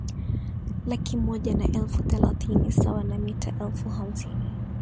laki moja na elfu thelathini sawa na mita elfu hamsini